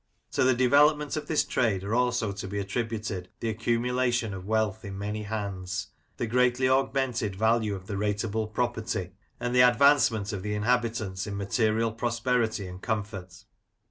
To the development of this trade are also to be attributed the accumulation of wealth in many hands, the greatly augmented value of the rateable property, and the advancement of the inhabitants in material prosperity and comfort.